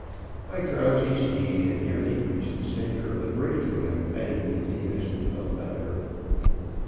My drowsy steed had nearly reached the center of the bridge when I banged at the innocent hell diver.